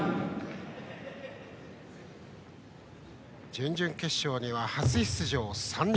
準々決勝には初出場３人。